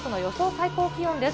最高気温です。